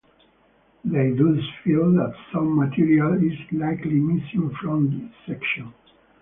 They thus feel that some material is likely missing from this section.